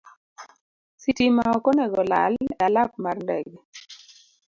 Sitima ok onego olal e alap mar ndege.